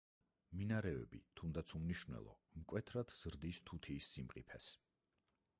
მინარევები, თუნდაც უმნიშვნელო მკვეთრად ზრდის თუთიის სიმყიფეს.